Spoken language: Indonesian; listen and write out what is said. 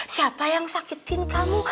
siapa yang sakitin kamu